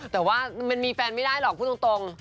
แต่ว่ามันมีแฟนไม่ได้หรอกพูดตรง